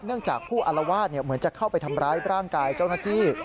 จากผู้อารวาสเหมือนจะเข้าไปทำร้ายร่างกายเจ้าหน้าที่